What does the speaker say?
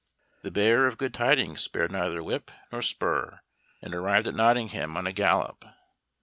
The bearer of good tidings spared neither whip nor spur, and arrived at Nottingham on a gallop.